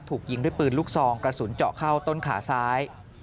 ถูกยิงด้วยปืนลูกซองกระสุนเจาะเข้าต้นขาซ้าย